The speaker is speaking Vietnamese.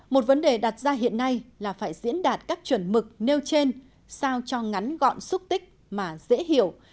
một vấn đề đặt ra hiện nay là phải diễn đạt các chuẩn mực nêu trên sao cho ngắn gọn xúc tích mà dễ hiểu